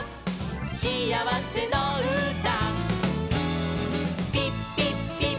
しあわせのうた」